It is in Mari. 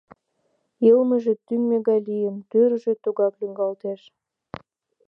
Йылмыже тӱҥмӧ гай лийын, тӱрвыжӧ тугак лӱҥгалтеш.